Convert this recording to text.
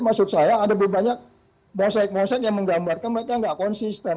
maksud saya ada berbanyak bahasa ekmosen yang menggambarkan mereka nggak konsisten